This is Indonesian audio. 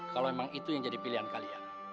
kalau memang itu yang jadi pilihan kalian